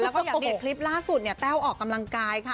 แล้วก็อย่างที่คลิปล่าสุดเนี่ยแต้วออกกำลังกายค่ะ